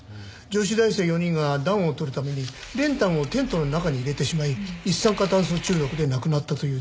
女子大生４人が暖をとるために練炭をテントの中に入れてしまい一酸化炭素中毒で亡くなったという事故です。